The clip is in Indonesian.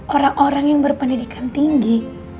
orang orang yang berpendidikan tinggi